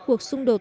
cuộc xung đột